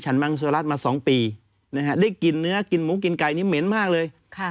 ชันมังสวรรลัษมา๒ปีได้กินเนื้อกินหมูกินไก่มันเหม็นมากเลย